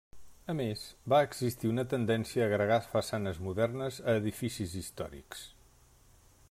A més, va existir una tendència a agregar façanes modernes a edificis històrics.